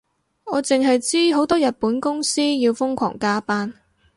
我淨係知好多日本公司要瘋狂加班